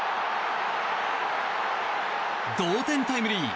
同点タイムリー！